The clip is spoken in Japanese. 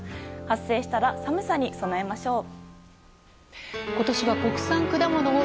発生したら寒さに備えましょう。